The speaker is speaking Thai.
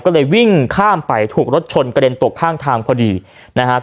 ก็เลยวิ่งข้ามไปถูกรถชนกระเด็นตกข้างทางพอดีนะครับ